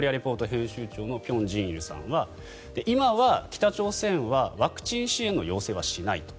編集長の辺真一さんは今は北朝鮮はワクチン支援の要請はしないと。